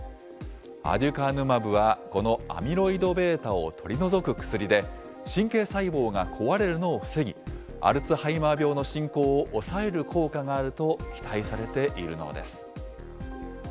アデュカヌマブはこのアミロイドβを取り除く薬で、神経細胞が壊れるのを防ぎ、アルツハイマー病の進行を抑える効果があると期待されているのです。